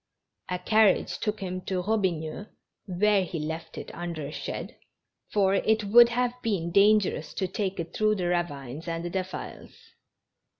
A carriage took him to Eobigneux, where he left it under a shed, for it would have been dangerous to take it through the ravines and defiles.